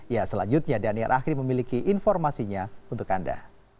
ya selanjutnya daniel ahri memiliki informasinya untuk anda